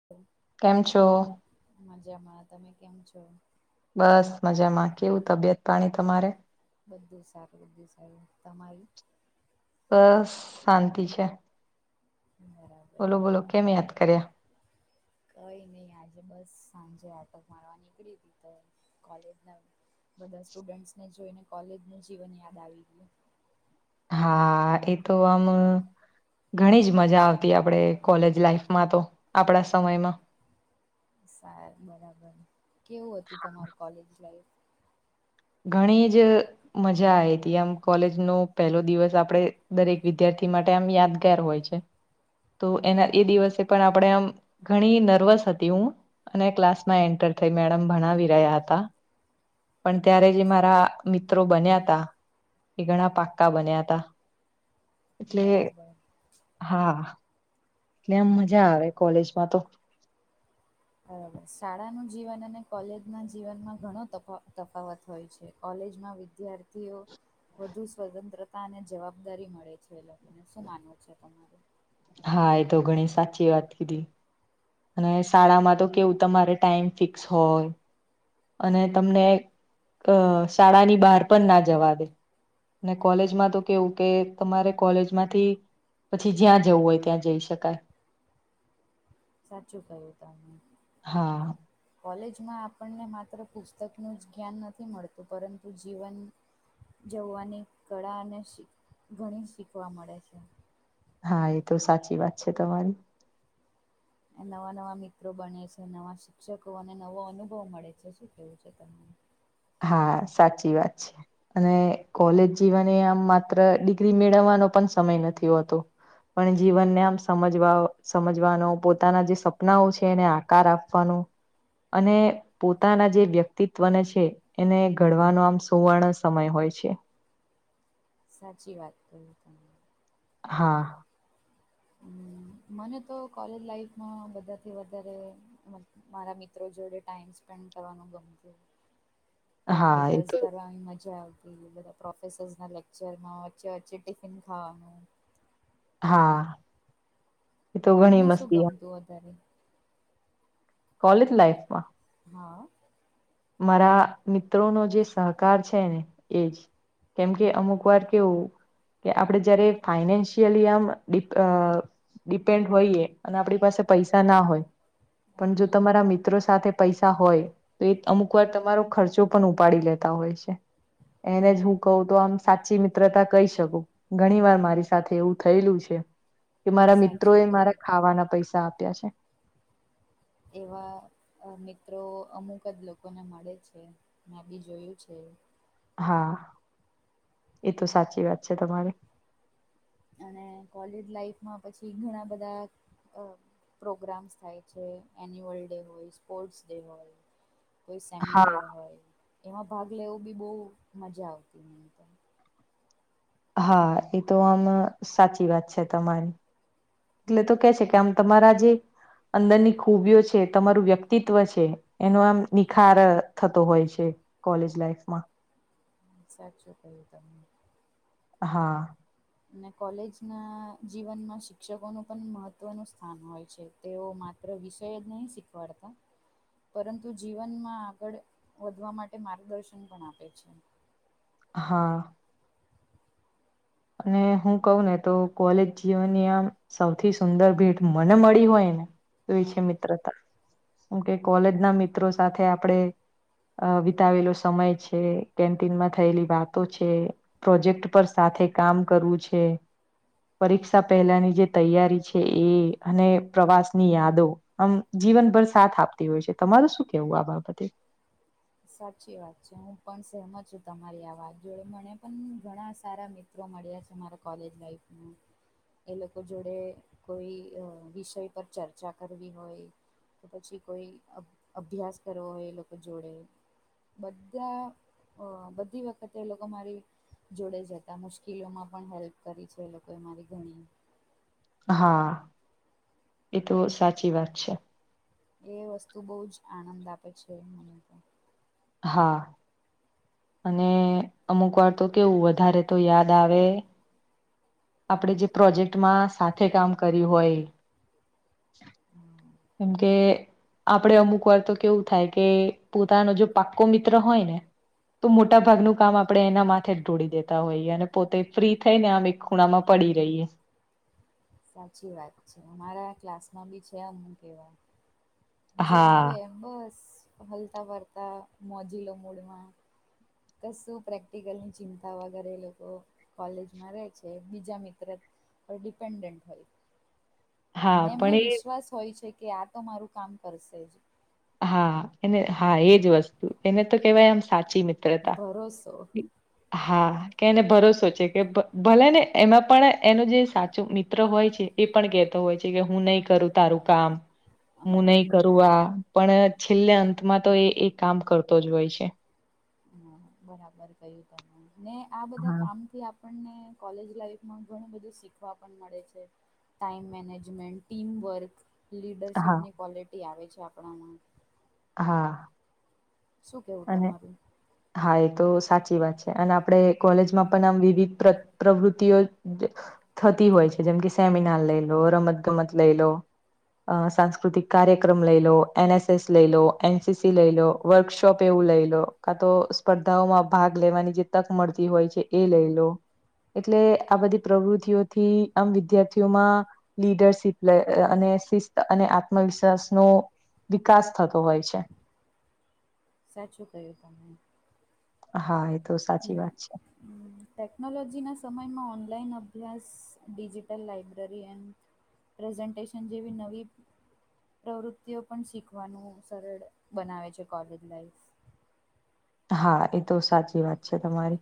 [unintelligible] કેમ છો? મજામાં તમે કેમ છો. બસ મજામાં કેવું તબિયત પાણી તમારે બધું સારું બધું સારું તમારી બસ શાંતિ છે. હા. બોલો બોલો કેમ યાદ કર્યા? કઈ નહી આજે બસ સાંજે આટો મારવા નીકળી હતી તો કોલેજ ના. બધા સ્ટુડન્ટ્સને જોઈને કોલેજનું જીવન યાદ આવી ગયું. હા એ તો આમ. ઘણી જ મજા આવતી આપણેે કોલેજ લાાઈફમાં તો આપણા સમયમાં. સાર બરાબર કેવું હતું તમારું કોલેજ લાઈફ. ઘણી જ મજા આ હતી આમ કોલેજ નો પહેલો દિવસ આપડે દરેક વિદ્યાર્થી માટે આમ યાદગાર હોય છે. તો એના એ દિવસે પણ આપણે આમ ઘણી નર્વસ હતી હું અને ક્લાસમાં એન્ટર થઈ મેડમ ભણાવી રહ્યા હતા. પણ ત્યારે જે મારા મિત્રો બન્યા ત એ ઘણા પાક્કા બન્યા હતા. એટલે બરાબર હા એટલે ને આમ મજા આવે કોલેજમાં તો બરાબર શાળાનું જીવન અને કોલેજ ના જીવનમાં ઘણો તફા તફાવત હોય છે કોલેજમાં વિદ્યાર્થીઓ વધુ સ્વતંત્રતા અને જવાબદારી મળે છે એ લોકોને શું માનવું છે તમારું હા એ તો ઘણી સાચી વાત કીધી. અને શાળામાં તો કેવું તમારે ટાઈમ ફિક્સ હોય. અને તમને અ શાળાની બહાર પણ ના જવા દે ને કોલેજમાં તો કેવું કે તમારે કોલેજમાંથી પછી જ્યાં જવું હોય ત્યાં જઈ શકાય. સાચું કહ્યું તમેને. હા કોલેજમાં આપણને માત્ર પુસ્તકનું જ જ્ઞાન નથી મળતું પરંતુ જીવન જોવાની કળા અને ઘણી શીખવા મળે છે. હા એ તો સાચી વાત છે તમારી. નવા નવા મિત્રો બને છે નવા શિક્ષકો અને નવો અનુભવ મળે છે શું કેવું છે તને હા સાચી વાત છે. અને કોલેજ જીવાને આમ માત્ર ડિગ્રી મેળવવાનો પણ સમય નથી હોતો પણ જીવનને આમ સમજવા સમજવાનો પોતાના જે સપનાઓ છે એને આકાર આપવાનો. અને પોતાના જે વ્યક્તિત્વને છે. એને ઘડવાનો આમ સુવર્ણ સમય હોય છે. સાચી વાત કરિ તમે. હા. મને તો કોલેજ લાાઈફમાં બધાથી વધારે મારા મિત્રો જોડે ટાઈમ સ્પેન્ડ કરવાનું ગમતું હા એ પ્રેક્ટિકલ્સ તો કરવાની મજા આવતી. બધા પ્રોફેસર્સ ના લેક્ચરમાં વચ્ચે વચ્ચે ટિફિન ખાવાનું હા. એ તો ઘણી તમને શું મસ્તી ગમતું વધારે. કોલેજ લાઈફમાં હા. મારા મિત્રોનો જે સહકાર છે ને એજ કેમ કે અમુક વાર કેવું કે આપણેે જયારે ફાઈનેન્શિયલી આમ ડીપ ડિપેન્ડ હોઈએ અને આપણી પાસે પૈસા ના હોય હા, પણ જો તમારા મિત્રો સાથે પૈસા હોય તો એ અમુક વાર તમારો ખર્ચો પણ ઉપાડી લેતા હોય છે. એને જ હું કઉું તો આમ સાચી મિત્રતા કહી શકું. ઘણી વાર મારી સાથે એવું થયેલું છે. કે મારા મિત્રો સાચું એ કહ્યું મારા ખાવાના પૈસા આપ્યા છે. એવા મિત્રો અમુક જ લોકોને મળે છે. મે બી જોયું છે. હા એ તો સાચી વાત છે, તમારી અને કોલેજ લાઈફમાં પછી ઘણા બધા અ પ્રોગ્રામ્સ થાય છે, એન્યુઅલ ડે હોય, સ્પોર્ટ્સ ડે હોય, કોઈ હા સેમિનાર હોય એમાં ભાગ લેવું બી બહુ મજા આવતી હોય એમતો હા એ તો આમ સાચી વાત છે તમારી. એટલે તો કે છે કે આમ તમારા જે અંદરની ખૂબીઓ છે, તમારું વ્યક્તિત્વ છે. એનો આમ નિખાર થતો હોય છે, કોલેજ લાઈફમાં સાચું કહ્યું તમે. હા. અને કોલેજ ના જીવનમાં શિક્ષકોનું પણ મહત્વનું સ્થાન હોય છે. તેઓ માત્ર વિષય જ નહી શીખવાડતા પરંતુ જીવનમાં આગળ વધવા માટે માર્ગદર્શન પણ આપે છે. હા. અને હું કહું ને તો કોલેજ જીવનની આમ સૌથી સુંદર ભેટ મને મળી હોય ને તો એ હા. છે મિત્રતા જેમ કે કોલેજ ના મિત્રો સાથે આપડે અ વિતાવેલો સમય છે, કેન્ટીનમાં થયેલી વાતો છે, પ્રોજેક્ટ પર સાથે કામ કરવું છે. પરીક્ષા પહેલાની જે તૈયારી છે, ‌ એ અને પ્રવાસની યાદો આમ જીવનભર સાથ આપતી હોય છે, તમારું શું કેવું આ બાબતે? સાચી વાત છે હું પણ સહેમત છું તમારી આ વાત જોડે મને પણ ઘણા સારા મિ ત્ર મળ્યા છે મારા કોલેજ લાઈફમાં. એ લોકો જોડે કોઈ વિષય પર ચર્ચા કરવી હોય તો પછી કોઈ અભ્યાસ કરવો હોય એ લોકો જોડે બધા અ બધી વખતે લોકો મારી જોડે જતા મુશ્કેલોમાં પણ હેલ્પ કરી છે, એ લોકોએ મારી ઘણી હા એ તો સાચી વાત છે. એ વસ્તુ બહુ જ આનંદ આપે છે, મને તો હા. અને અમુક વાર તો કેવું વધારે તો યાદ આવે આપણે જે પ્રોજેક્ટમાં સાથે કામ કર્યું હોય હમ કે આપણે અમુક વાર તો કેવું થાય કે પોતાનો જે પાક્કો મિત્ર હોય ને તો મોટા ભાગનું કામ આપણે એના માથે જ ઢોળી દેતા હોઈએ અને પોતે ફ્રી થઈ ને આમ એક ખૂણામાં પડી રહીએ સાચી વાત છે, અમારા ક્લાસમાં બી છે, અમુક એવા જે હા આવે એમ બસ હલતા ફરતા મોજીલો મૂડ માં કશું પ્રેક્ટિકલની ચિંતા વગરે એ લોકો કોલેજમાં રહેે છે, બીજા મિત્ર પર ડિપેન્ડેન્ટ હોય. હા ને એમને પણ એ વિશ્વાસ હોય છે, કે આ તો મારું કામ કરશે જ હા એને હા એજ વસ્તુ એને તો કેહેવાય આમ સાચી મિત્રતા. ભરોસો હા. કે એને ભરોસો છે કે ભ ભલે ને એમાં પણ એનું જે સાચું મિત્ર હોય છે. એ પણ કેહેતો હોય છે, કે હું નહી કરું તારું કામ હું નહી હા કરું આ પણ છેલ્લે અંતમાં તો એ એ કામ કરતો જ હોય છે. હમ બરાબર કયું તમે ને આ બધા હા કામથી આપ પણને કોલેજ લાઈફમાં ઘણું બધું શીખવા પણ મળે છે. ટાઈમ મેનેજમેન્ટ ટીમ વર્ક હા લીડરશીપની ક્વોલિટી આવે છે, આપણામાં હા શું કેવું અને તમારું હા એ તો સાચી વાત છે અને આપણે કોલેજમાં પણ આમ વિવિધ પ્રવૃતિઓ થતી હોય છે. જેમ કે સેમિનાર લઈ લો રમતગમત લઈ લો સાંસ્કૃતિક કાર્યક્રમ લઈ લો એન એસ એસ લઈ લો એનસીસી લઈ લો વર્કશોપ એવું લઈ લો કા તો સ્પર્ધાઓમાં ભાગ લેવાની જે તક મળતી હોય છે. એ લઈ લો એટલે આ બધી પ્રવૃતિઓથી આમ વિદ્યાર્થીઓમાં લીડરશીપ લ અને શિસ્ત અને આત્મવિશ્વાસનો વિકાસ થતો હોય છે. સાચો ક તમેને હા એ તો સાચી વાત છે. હમ્મ ટેકનોલોજીના સમયમાં ઓનલાઈન અભ્યાસ ડિજિટલ લાઇબ્રેરી એન્ડ પ્રઝન્ટટેેશન જેવી નવી પ્રવૃત્તિઓ પણ શીખવાનું સરળ બનાવે છે. કોલેજ લાઈફ હા એ તો સાચી વાત છે. તમારી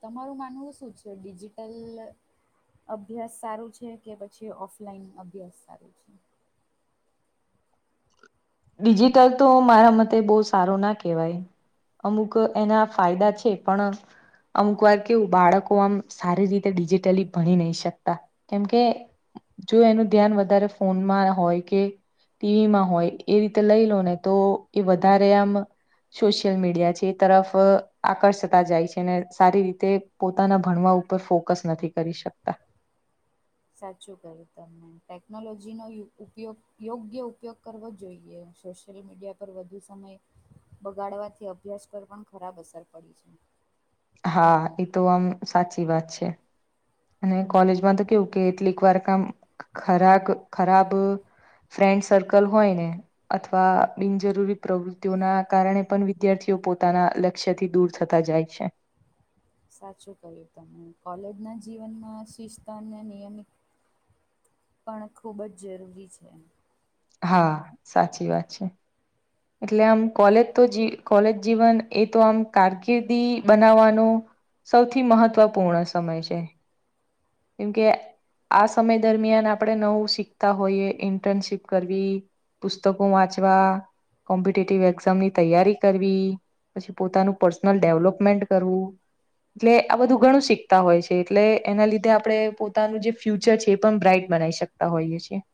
તમારું માનવું શું છે. ડિજિટલ અભ્યાસ સારું છે. કે પછી ઓફલાઈન અભ્યાસ સારું છે. ડિજિટલ તો મારા મતે બહુ સારું ના કહેવાય અમુક એના ફાયદા છે. પણ અમુક વાર કેવું બાળકો આમ સારી રીતે ડિજિટલી ભણી નહી. શકતા કેમકે જો એનું ધ્યાન વધારે ફોનમાં હોય કે ટીવીમાં હોય એ રીતે લઈ લો ને તો એ વધારે આમ સોશિયલ મીડિયા છે એ તરફ આકર્ષતા જાય છે. અને સારી રીતે પોતાના ભણવા ઉપર ફોકસ નથી કરી શકતા સાચું કરું તમને ટેકનોલોજી નો ઉપયોગ યોગ્ય ઉપયોગ કરવો જોઈએ સો સોશિયલ મીડિયા પર વધુ સમય બગાડવાથી અભ્યાસ પર પણ ખરાબ અસર પડી છે. હા એ તો આમ સાચી વાત છે. અને કોલેજમાં તો કેવું કે કેટલીક વાર કામ ખરાબ ખરાબ ફ્રેન્ડ સર્કલ હોય ને અથવા બિનજરૂરી પ્રવૃત્તિઓના કારણે પણ વિદ્યાર્થીઓ પોતાના લ લ થી દૂર થતા જાય છે. સાચું કર્યું તમે કોલેજના જીવનમાં શિસ્ત અને નિયમિત પણ ખૂબ જ જરૂરી છે. હા સાચી વાત છે. એટલે આમ કોલેજ તો કોલેજ જીવન એ તો આમ કારકિર્દી બનાવવાનું સૌથી મહત્વપૂર્ણ સમય છે. કેમકે આ સમય દરમિયાન આપણે નવું શીખતા હોઈએ ઇન્ટર્નશીપ કરવી પુસ્તકો વાંચવા કોમ્પિટેટિવ એક્ઝામની તૈયારી કરવી પછી પોતાનું પર્સનલ ડેવલપમેન્ટ કરવું. એટલે આ બધું ઘણું શીખતા હોય છે એટલે એના લીધે આપણે પોતાનું જે ફ્યુચર છે એ પણ બ્રાઈટ બનાવી શકતા હોઈએ છીએ.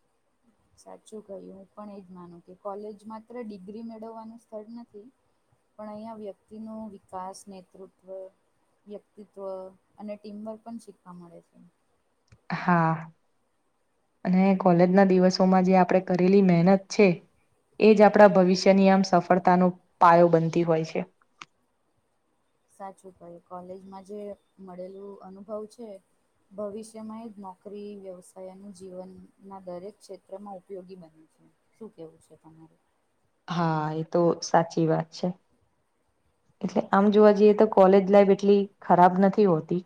સાચું કહ્યું હું પણ એજ માનું કે કોલેજ માત્ર ડિગ્રી મેળવવાનું સ્થળ નથી. પણ અહીંયા વ્યક્તિનું વિકાસ નેતૃત્વ વ્યક્તિત્વ અને ટીમ વર્ક પણ શીખવા મળે છે. હા અને કોલેજના દિવસોમાં જે આપણે કરેલી મહેનત છે. એ જ આપણા ભવિષ્યની આમ સફળતાનો પાયો બનતી હોય છે. સાચું કઈ કોલેજમાં જે મળેલું અનુભવ છે. ભવિષ્યમાં એ જ નોકરી વ્યવસાયનું જીવનના દરેક ક્ષેત્રમાં ઉપયોગી બને છે. શું કેવું છે તમારું? હા એ તો સાચી વાત છે. એટલે આમ જોવા જઈએ તો કોલેજ લાઈફ એટલી ખરાબ નથી હોતી.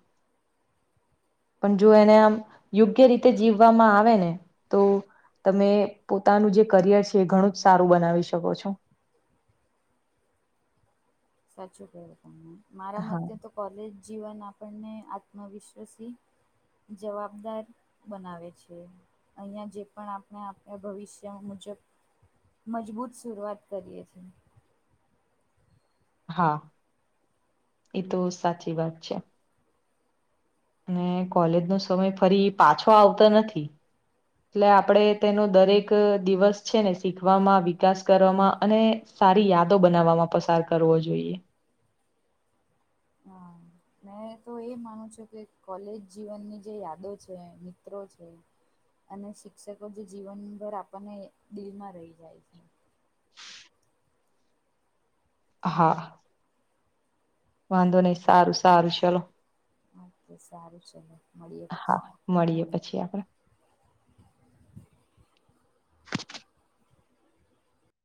પણ જો એને આમ યોગ્ય રીતે જીવવામાં આવે ને તો તમે પોતાનું જે કરિયર છે એ ઘણું જ સારું બનાવી શકો છો. સાચું કહ્યુ તમે મારા હા મતે તો કોલેજ જીવન આપણને આત્મવિશ્વાસી, જવાબદાર બનાવે છે. અહીંયા જે પણ આપણે આપણા ભવિષ્ય મુજબ મજબૂત શરૂઆત કરીએ છીએ. હા એ તો સાચી વાત છે. અને કોલેજ નો સમય ફરી પાછો આવતો નથી એટલે આપડે તેનો દરેક દિવસ છે ને શીખવામાં વિકાસ કરવામાં અને સારી યાદો બનાવવામાં પસાર કરવો જોઈએ. હા મેં તો એ માનું છું કે કોલેજ જીવનની જે યાદો છે, મિત્રો છે અને શિક્ષકો જે જીવનભર આપણને દિલમાં રહી જાય છે. હા વાંધો નહીં સારું સારું ચલો હા તો સારું ચલો મળીએ હા પછી મળીએ પછી આપણે [inaudible]